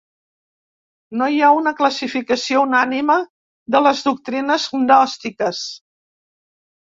No hi ha una classificació unànime de les doctrines gnòstiques.